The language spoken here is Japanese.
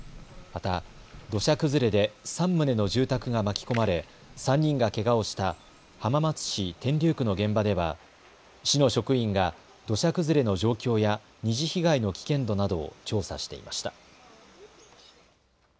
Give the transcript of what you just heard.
また土砂崩れで３棟の住宅が巻き込まれ、３人がけがをした浜松市天竜区の現場では市の職員が土砂崩れの状況や二次被害の危険度などを調査していました。